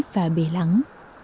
và bể lắng